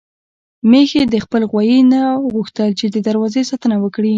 ميښې د خپل غويي نه وغوښتل چې د دروازې ساتنه وکړي.